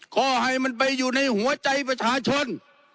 ขอให้มันไปอยู่ในหัวใจประชาชน